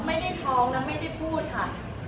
ไม่ได้ท้องและไม่ได้พูดค่ะ